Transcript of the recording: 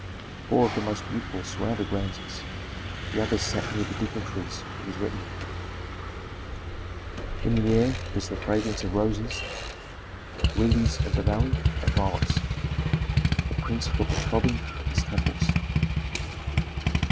Four of the most beautiful surrounded Rameses; the others sat near the dignitaries of his retinue. In the air was the fragrance of roses, lilies of the valley, and violets; the prince felt the throbbing of his temples.